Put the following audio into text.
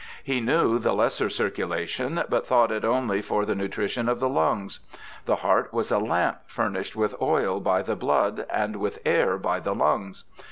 He knew the lesser circulation, but thought it only for the nutrition of the lungs. The heart was a lamp furnished with oil by the blood and with air by the lungs.